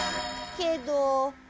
けど？